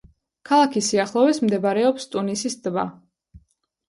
ქალაქის სიახლოვეს მდებარეობს ტუნისის ტბა.